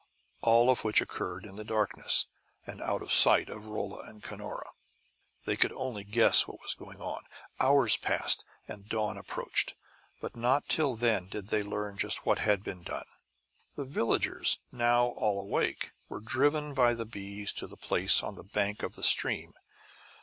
All of which occurred in the darkness, and out of sight of Rolla and Cunora. They could only guess what was going on. Hours passed, and dawn approached. Not till then did they learn just what had been done. The villagers, now all awake, were driven by the bees to the place on the bank of the stream.